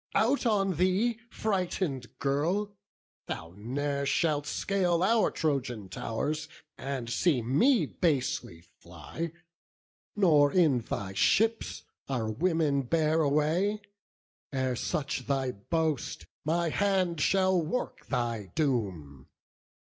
Out on thee, frighten'd girl! thou ne'er shalt scale Our Trojan tow'rs, and see me basely fly; Nor in thy ships our women bear away: Ere such thy boast, my hand shall work thy doom."